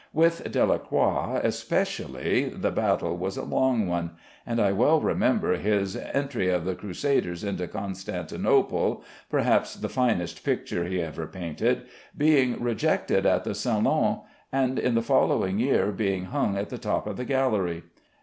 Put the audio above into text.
With Delacroix, especially, the battle was a long one, and I well remember his "Entry of the Crusaders into Constantinople" (perhaps the finest picture he ever painted) being rejected at the Salon, and in the following year being hung at the top of the gallery.